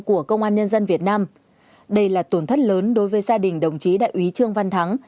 của công an nhân dân việt nam đây là tổn thất lớn đối với gia đình đồng chí đại úy trương văn thắng